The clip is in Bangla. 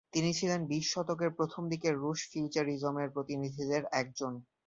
তিনি ছিলেন বিশ শতকের প্রথম দিকের রুশ ফিউচারিজমের প্রতিনিধিদের একজন।